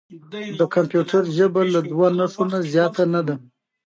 د کمپیوټر ژبه له دوه نښو نه زیاته نه ده.